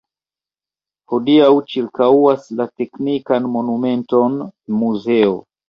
Hodiaŭ ĉirkaŭas la teknikan monumenton muzeo.